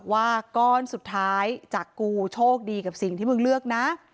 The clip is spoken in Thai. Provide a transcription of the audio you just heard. ไว้จากกูโชคดีกับสิ่งที่มึงเลือกนะ